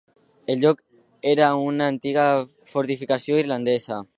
El lloc era una antiga fortificació irlandesa.